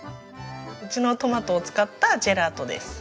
うちのトマトを使ったジェラートです。